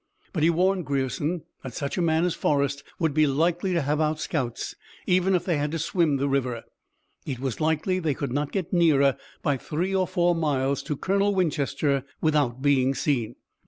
But he warned Grierson that such a man as Forrest would be likely to have out scouts, even if they had to swim the river. It was likely that they could not get nearer by three or four miles to Colonel Winchester without being seen.